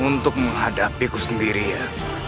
untuk menghadapi ku sendirian